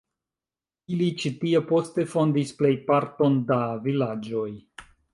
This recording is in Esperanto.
Ili ĉi tie poste fondis plejparton da vilaĝoj.